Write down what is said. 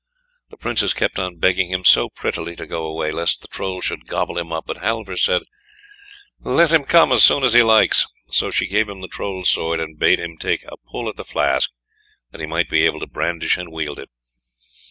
The Princess kept on begging him so prettily to go away, lest the Troll should gobble him up, but Halvor said: "Let him come as soon as he likes." So she gave him the Troll's sword, and bade him take a pull at the flask, that he might be able to brandish and wield it.